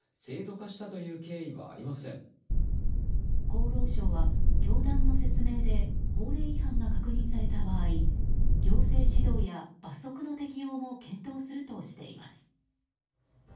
厚労省は教団の説明で法令違反が確認された場合行政指導や罰則の適用も検討するとしています。